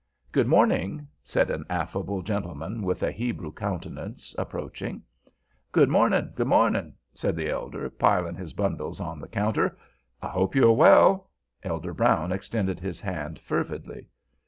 "Good morning," said an affable gentleman with a Hebrew countenance, approaching. "Good mornin', good mornin'," said the elder, piling his bundles on the counter. "I hope you are well?" Elder Brown extended his hand fervidly.